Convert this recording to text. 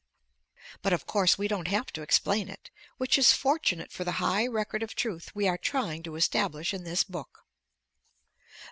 But of course we don't have to explain it, which is fortunate for the high record of truth we are trying to establish in this book.